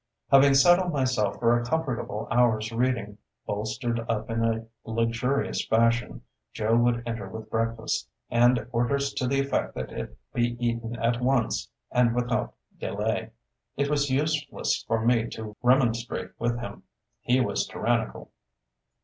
Having settled myself for a comfortable hour's reading, bolstered up in a luxurious fashion, Joe would enter with breakfast, and orders to the effect that it be eaten at once and without delay. It was useless for me to remonstrate with him: he was tyrannical.